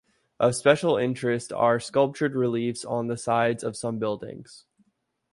Of special interest are sculptured reliefs on the sides of some buildings.